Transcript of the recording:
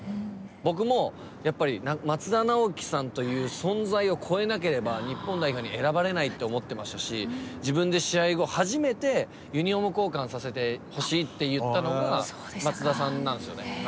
僕もやっぱり松田直樹さんという存在を超えなければ日本代表に選ばれないって思ってましたし自分で試合後初めてユニフォーム交換させてほしいって言ったのが松田さんなんですよね。